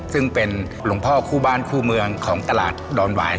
ซึ่งเป็นหลวงพ่อคู่บ้านคู่เมืองของตลาดดอนหวาย